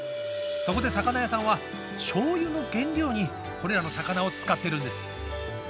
そこで、魚屋さんはしょうゆの原料にこれらの魚を使っているんです。